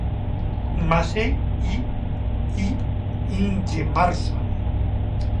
Massey i I. Ingemarsson.